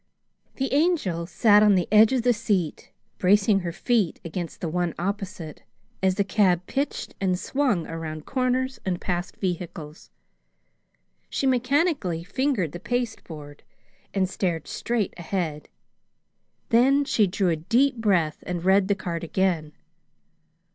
The Angel sat on the edge of the seat, bracing her feet against the one opposite, as the cab pitched and swung around corners and past vehicles. She mechanically fingered the pasteboard and stared straight ahead. Then she drew a deep breath and read the card again.